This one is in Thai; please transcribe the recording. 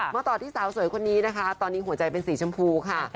ต่อที่สาวสวยคนนี้นะคะตอนนี้หัวใจเป็นสีชมพูค่ะ